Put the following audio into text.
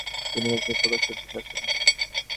কিন্তু গৃহচ্ছিদ্র প্রকাশ করিতে শাস্ত্রে নিষেধ আছে।